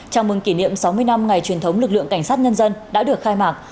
chào mừng kỷ niệm sáu mươi năm ngày truyền thống lực lượng cảnh sát nhân dân đã được khai mạc